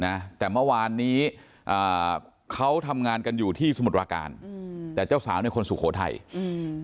นะแต่เมื่อวานนี้อ่าเขาทำงานกันอยู่ที่สมุทรปราการอืมแต่เจ้าสาวเนี่ยคนสุโขทัยอืม